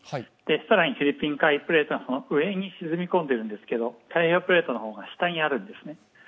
更にフィリピン海プレートがその上に沈み込んでいるんですけど、太平洋プレートの方が下にあるんですね。